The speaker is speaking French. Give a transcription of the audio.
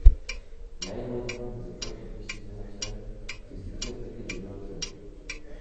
L'aérodrome de Cottbus-Neuhausen se situe à côté de Neuhausen.